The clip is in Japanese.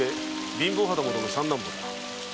貧乏旗本の三男坊だ。